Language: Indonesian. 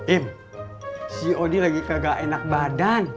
im si odi lagi kagak enak badan